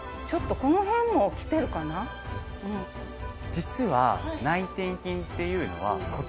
実は。